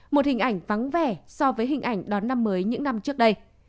một hình ảnh vắng vẻ so với hình ảnh đón năm mới những năm trước đây